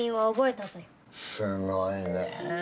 すごいねえ！